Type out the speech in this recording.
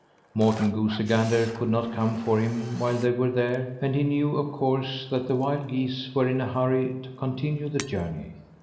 Morten Goosey Gander could not come for him while they were there and he knew, of course, that the wild geese were in a hurry to continue the journey.